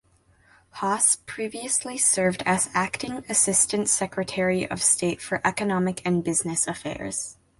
Haas previously served as acting assistant secretary of state for economic and business affairs.